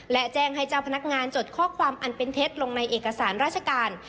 และแจ้งให้เจ้าพนักงานจดข้อความอันเป็นเท็จลงในเอกสารราชการ